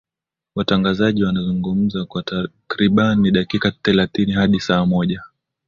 watangazaji wanazungumza kwa takribani dakika thelathi hadi saa moja